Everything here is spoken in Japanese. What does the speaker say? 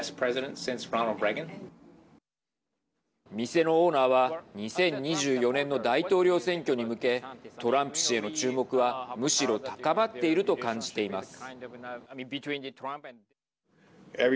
店のオーナーは２０２４年の大統領選挙に向けトランプ氏への注目はむしろ高まっていると感じています。